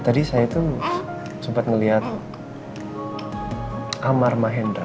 ya tadi saya tuh sempat ngeliat amar mahendra